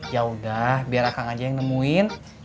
yaudah biar akang aja yang nemuin